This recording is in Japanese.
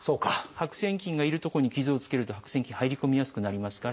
白癬菌がいる所に傷をつけると白癬菌入り込みやすくなりますから。